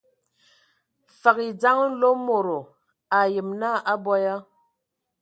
Fəg e dzeŋa Mlomodo, a ayem naa a abɔ ya.